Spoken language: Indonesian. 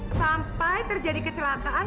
sampai terjadi kecelakaan